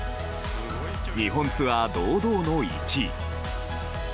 日本ツアー堂々の１位。